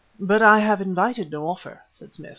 "But I have invited no offer," said Smith.